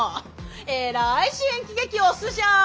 えらい新喜劇推すじゃん。